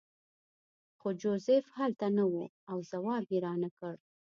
خو جوزف هلته نه و او ځواب یې رانکړ